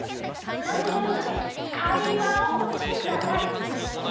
何でもいいので会話をしてください。